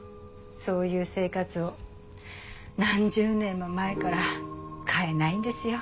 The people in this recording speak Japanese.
そういう生活を何十年も前から変えないんですよ。